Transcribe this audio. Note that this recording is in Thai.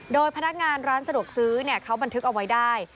โดยพนักงานร้านสะดวกซื้อเขาบันทึกเอาไว้ได้